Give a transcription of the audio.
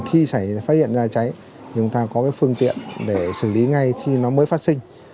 khi phát hiện ra cháy chúng ta có phương tiện để xử lý ngay khi nó mới phát sinh